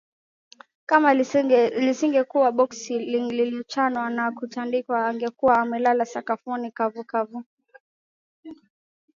Kama lisingekuwa boksi lililochanwa na kutandikwa angekuwa amelala sakafuni kavukavu